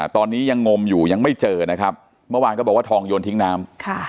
ตอนนี้ยังงมอยู่ยังไม่เจอนะครับเมื่อวานก็บอกว่าทองโยนทิ้งน้ำ